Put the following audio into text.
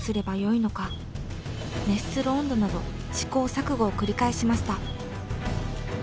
熱する温度など試行錯誤を繰り返しました。